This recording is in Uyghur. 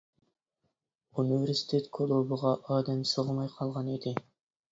ئۇنىۋېرسىتېت كۇلۇبىغا ئادەم سىغماي قالغان ئىدى.